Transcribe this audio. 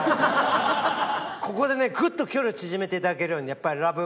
ここでねグッと距離を縮めていただけるようにやっぱりＬＯＶＥ